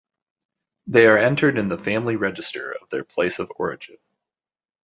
They are entered in the family register of their place of origin.